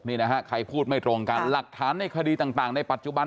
นี่นะฮะใครพูดไม่ตรงกันหลักฐานในคดีต่างในปัจจุบัน